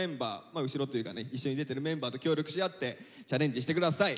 まあ後ろというかね一緒に出てるメンバーと協力し合ってチャレンジして下さい。